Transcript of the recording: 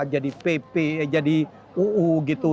jadi pp jadi uu gitu